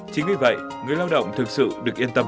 chính vì vậy người lao động thực sự được yên tâm